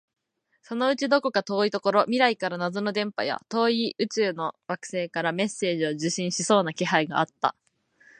そのうちどこか遠いところ、未来から謎の電波や、遠い宇宙の惑星からメッセージを受信しそうな気配があった